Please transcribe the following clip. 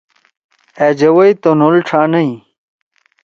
أ جوَئی تنول ڇھانئی۔